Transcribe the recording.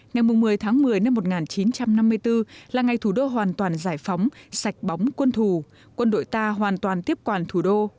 ngày một mươi tháng một mươi năm một nghìn chín trăm năm mươi bốn là ngày thủ đô hoàn toàn giải phóng sạch bóng quân thù quân đội ta hoàn toàn tiếp quản thủ đô